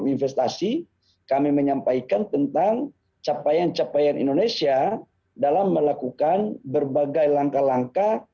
investasi kami menyampaikan tentang capaian capaian indonesia dalam melakukan berbagai langkah langkah